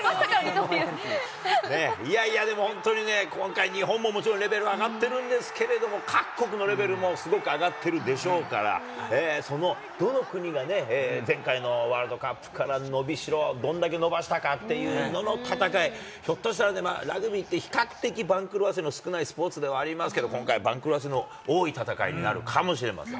いやいやでも、本当にね、今回、日本ももちろんレベルが上がってるんですけども、各国のレベルもすごく上がってるでしょうから、そのどの国がね、前回のワールドカップから伸びしろ、どんだけ伸ばしたかっていうのの戦い、ひょっとしたら、ラグビーって比較的番狂わせの少ないスポーツではありますけれども、今回、番狂わせの多い戦いになるかもしれません。